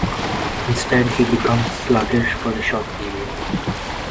Instead, he becomes sluggish for a short period.